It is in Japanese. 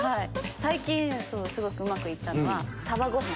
最近すごくうまく行ったのは。